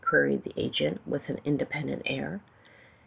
queried the agent, with an independent air.